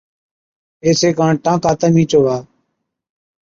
ايڇي ڪاڻ ٽانڪا تمهِين چووا۔